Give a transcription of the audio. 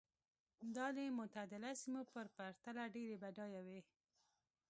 دا د معتدلو سیمو په پرتله ډېرې بډایه وې.